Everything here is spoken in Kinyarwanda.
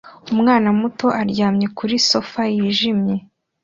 Umwana muto aryamye kuri sofa yijimye